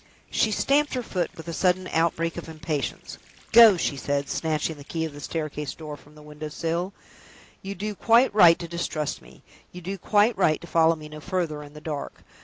She stamped her foot with a sudden outbreak of impatience. "Go!" she said, snatching the key of the staircase door from the window sill. "You do quite right to distrust me you do quite right to follow me no further in the dark.